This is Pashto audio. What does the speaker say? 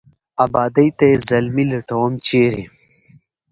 آبادۍ ته یې زلمي لټوم ، چېرې ؟